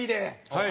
はい。